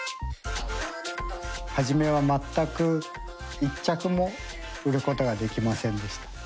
初めは全く１着も売ることができませんでした。